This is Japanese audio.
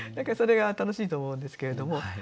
それが楽しいと思うんですけれども。